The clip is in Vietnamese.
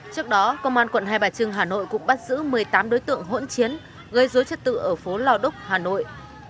trước đó công an quận hai bà trưng hà nội cũng bắt giữ một mươi tám đối tượng hỗn chiến gây dối trật tự ở phố lò đúc hà nội